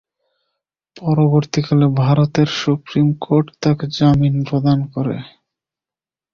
পরবর্তীকালে ভারতের supreme court তাঁকে জামিন প্রদান করে।